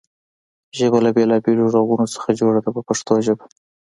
ژبه له بېلابېلو غږونو څخه جوړه ده په پښتو ژبه.